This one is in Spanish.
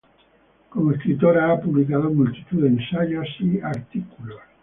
Como escritora ha publicado multitud de ensayos y artículos.